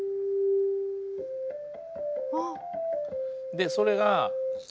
でそれが。